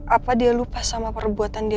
apa dia lupa sama perbuatannya